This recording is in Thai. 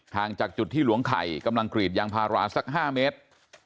จากจุดที่หลวงไข่กำลังกรีดยางพาราสัก๕เมตร